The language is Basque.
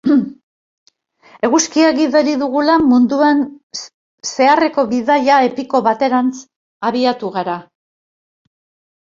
Eguzkia gidari dugula, munduan zeharreko bidaia epiko baterantz abiatu gara.